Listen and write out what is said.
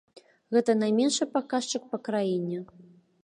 Гэта найменшы паказчык па краіне.